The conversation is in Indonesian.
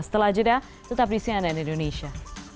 setelah jadah tetap di sian dan indonesia